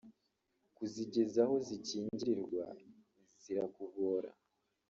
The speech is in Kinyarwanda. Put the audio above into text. kuzigeza aho zikingirirwa zirakugora